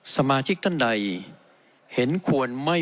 สมาชิกทั้นใดเห็นควรมีมติไว้วางใจครับ